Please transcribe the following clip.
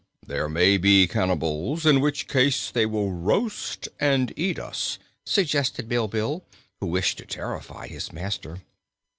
"They may be cannibals, in which case they will roast and eat us," suggested Bilbil, who wished to terrify his master.